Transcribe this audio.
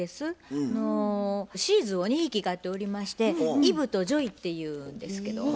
シーズーを２匹飼っておりましてイブとジョイっていうんですけど。